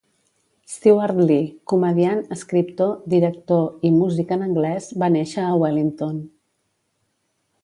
Stewart Lee, comediant, escriptor, director i músic en anglès, va néixer a Wellington.